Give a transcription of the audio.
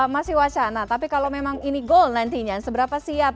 masih wacana tapi kalau memang ini goal nantinya seberapa siap